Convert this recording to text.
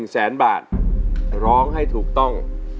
๑แสนบาทร้องให้ถูกต้อง